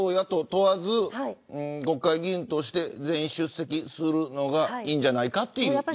問わず国会議員として全員出席するのがいいんじゃないかという意見。